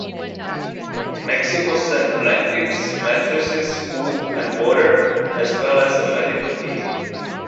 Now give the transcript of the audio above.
Mexico sent blankets, mattresses, food, and water, as well as a medical team.